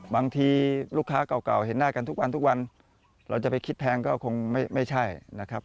บางทีลูกค้าเก่าเห็นหน้ากันทุกวันทุกวันเราจะไปคิดแพงก็คงไม่ใช่นะครับ